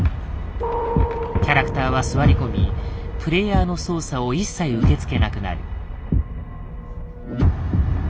キャラクターは座り込みプレイヤーの操作を一切受け付けなくなる。